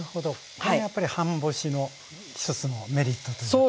これやっぱり半干しの一つのメリットというか。